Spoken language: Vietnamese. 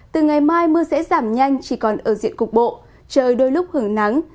từ ngày mai mưa sẽ giảm nhanh chỉ còn ở diện cục bộ trời đôi lúc hưởng nắng